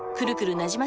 なじま